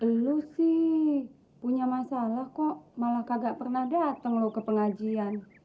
elu sih punya masalah kok malah kagak pernah dateng lo ke pengajian